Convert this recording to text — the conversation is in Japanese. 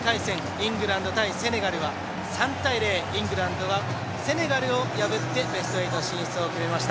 イングランド対セネガルは３対０、イングランドがセネガルを破ってベスト８進出を決めました。